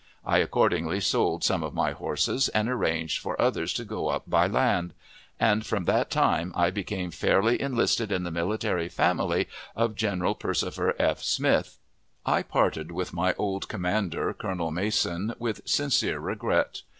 I accordingly sold some of my horses, and arranged for others to go up by land; and from that time I became fairly enlisted in the military family of General Persifer F. Smith. I parted with my old commander, Colonel Mason, with sincere regret.